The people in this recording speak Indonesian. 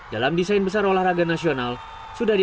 dalam desain besar olahraga nasional